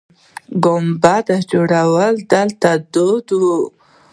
د ګنبدو جوړول دلته دود و